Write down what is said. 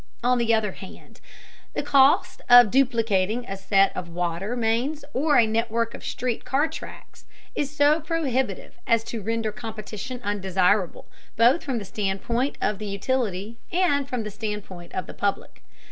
On the other hand, the cost of duplicating a set of water mains or a network of street car tracks is so prohibitive as to render competition undesirable, both from the standpoint of the utility and from the standpoint of the public.